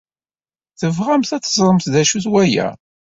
Tebɣamt ad teẓremt d acu-t waya?